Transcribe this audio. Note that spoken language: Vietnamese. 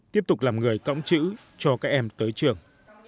tiếp tục làm người cõng chữ cho các em tới trường